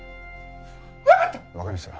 わかった？